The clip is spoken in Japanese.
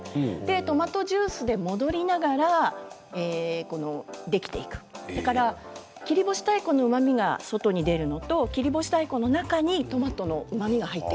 トマトジュースと戻りながらできていくので切り干し大根の甘みが外に出るのと切り干し大根の中にトマトのうまみが入る。